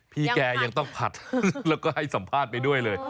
พี่แกยังต้องผัดแล้วก็ให้สัมภาษณ์ไปด้วยเลย